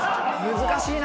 難しいな！